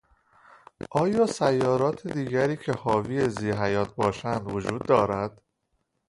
آیا سیارات دیگری که حاوی ذی حیات باشند وجود دارد؟